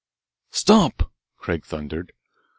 "Stop!" Craig thundered.